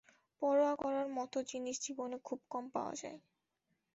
পরোয়া করার মতো জিনিস জীবনে খুব কম পাওয়া যায়।